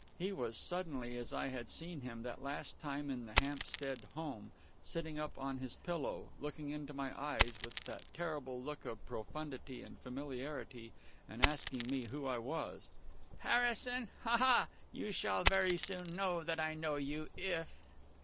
He was suddenly as I had seen him that last time in the Hampstead "Home" sitting up on his pillow, looking into my eyes with that terrible look of profundity and familiarity, and asking me who I was.... _"Harrison ha ha!... You shall very soon know that I know you, if